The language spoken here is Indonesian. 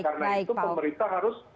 karena itu pemerintah harus